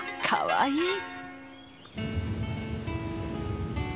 かわいい！